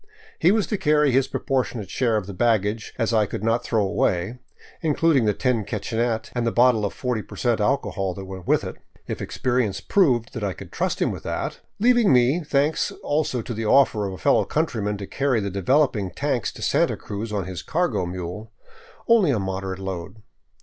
He was to carry his proportionate share of such bag gage as I could not throw away^ including the tin kitchenette and the bottle of 40 percent, alcohol that went with it — if experience proved I could trust him with that — leaving me, thanks also to the offer of a fellow countryman to carry the developing tanks to Santa Cruz on his cargo mule, only a moderate load.